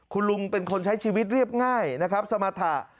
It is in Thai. คุณลุงเป็นคนใช้ชีวิตเรียบง่ายนะครับสมรรถะ